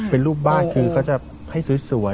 เป็นรูปบ้านคือเขาจะให้สวย